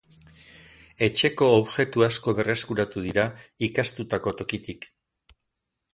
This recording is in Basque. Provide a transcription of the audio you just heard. Etxeko objektu asko berreskuratu dira ikaztutako tokitik.